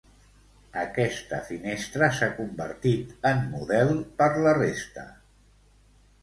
Aquesta finestra s'ha convertit en model per la resta.